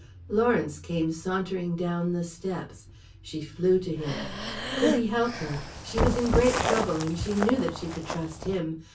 Lawrence came sauntering down the steps. She flew to him. Could he help her. She was in great trouble, and she knew that she could trust him.